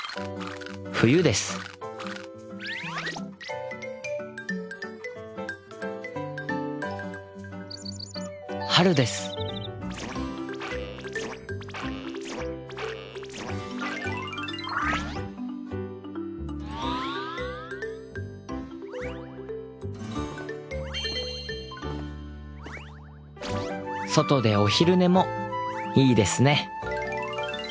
冬です春です外でお昼寝もいいですね。